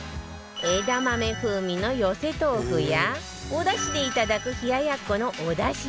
枝豆風味のよせ豆腐やおだしでいただく冷ややっこのおだし